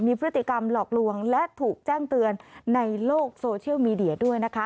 มีพฤติกรรมหลอกลวงและถูกแจ้งเตือนในโลกโซเชียลมีเดียด้วยนะคะ